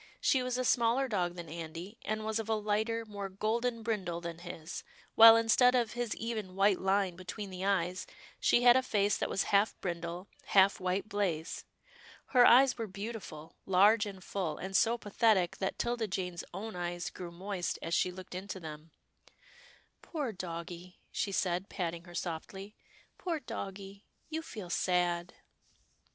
She was a smaller dog than Andy, and was of a lighter, more golden brindle than his, while instead of his even white line between the eyes, she had a face that was half brindle, half white blaze. Her eyes were beautiful — large and full, and so pa thetic that 'Tilda Jane's own eyes grew moist as she looked into them. " Poor doggie," she said, patting her softly, " poor doggie — you feel sad."